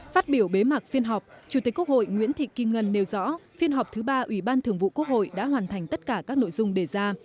phát biểu bế mạc phiên họp chủ tịch quốc hội nguyễn thị kim ngân nêu rõ phiên họp thứ ba ủy ban thường vụ quốc hội đã hoàn thành tất cả các nội dung đề ra